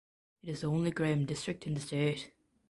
It is the only Graham District in the state.